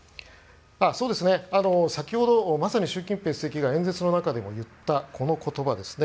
先ほどまさに習近平主席が演説の中でも言ったこの言葉です。